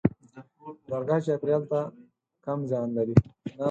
لرګی چاپېریال ته کم زیان لري.